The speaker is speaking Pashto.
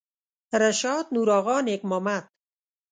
رشاد نورآغا نیک محمد